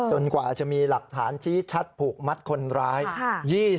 กว่าจะมีหลักฐานชี้ชัดผูกมัดคนร้าย